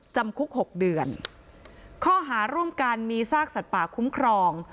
จำคุกหกเดือนข้อหาร่วมกันมีซากสัตว์ป่าคุ้มครอง